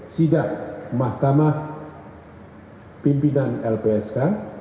sidat mahkamah pimpinan lpsk